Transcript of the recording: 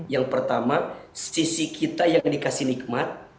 yang pertama sisi kita yang dikasih nikmat